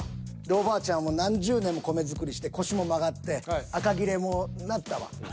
おばあちゃんは何十年も米作りして腰も曲がってあかぎれもなったわ。